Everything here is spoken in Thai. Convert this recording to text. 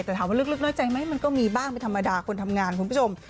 แต่ถามว่าลึกน้อยใจไหมมันก็มีบ้างเป็นธรรมดาคนทำงานคุณผู้ชม